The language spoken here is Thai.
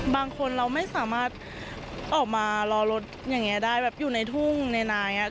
บางคนเราไม่สามารถออกมารอรถอย่างนี้ได้แบบอยู่ในทุ่งในนาอย่างนี้